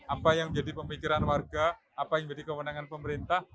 apa yang menjadi pemikiran warga apa yang menjadi kewenangan pemerintah